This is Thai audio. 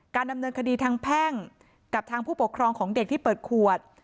ดำเนินคดีทางแพ่งกับทางผู้ปกครองของเด็กที่เปิดขวด